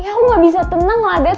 ya aku gak bisa tenang lah dad